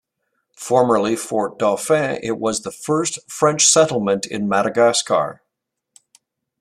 Formerly Fort-Dauphin, it was the first French settlement in Madagascar.